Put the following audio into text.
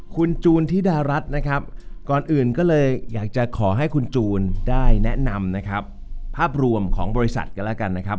คุณจูนธิดารัฐนะครับก่อนอื่นก็เลยอยากจะขอให้คุณจูนได้แนะนำนะครับภาพรวมของบริษัทกันแล้วกันนะครับ